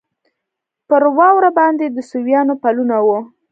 پر واوره باندې د سویانو پلونه وو.